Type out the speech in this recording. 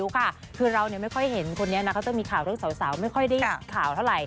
คือเรามันจะไม่ค่อยดูหลังในนี้ไม่ค่อยเห็นข่าวเท่า